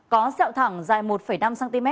có xeo thẳng dài một năm cm